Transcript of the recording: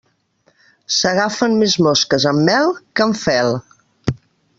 S'agafen més mosques amb mel que amb fel.